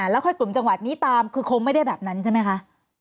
แล้วค่อยกลุ่มจังหวัดนี้ตามคือคงไม่ได้แบบนั้นใช่ไหมคะ